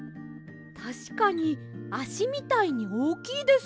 たしかにあしみたいにおおきいです。